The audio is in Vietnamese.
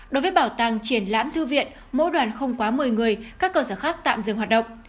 đối với bảo tàng triển lãm thư viện mỗi đoàn không quá một mươi người các cơ sở khác tạm dừng hoạt động